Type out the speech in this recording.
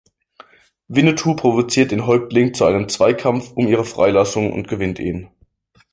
Winnetou provoziert den Häuptling zu einem Zweikampf um ihre Freilassung und gewinnt ihn.